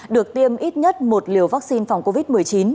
được tiêm ít nhất một liều vaccine phòng covid một mươi chín